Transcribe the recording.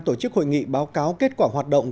tổ chức hội nghị báo cáo kết quả hoạt động